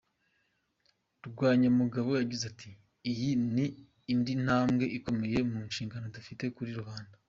Rwanyamugabo yagize ati "Iyi ni indi ntambwe ikomeye mu nshingano dufite kuri rubanda.